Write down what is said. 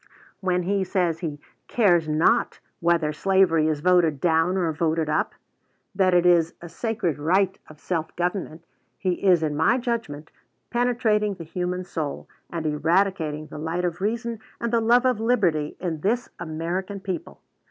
When he says he "cares not whether slavery is voted down or voted up," that it is a sacred right of self government, he is, in my judgment, penetrating the human soul, and eradicating the light of reason and the love of liberty in this American people.